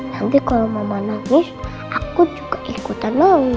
nanti kalau mama nangis aku juga ikutan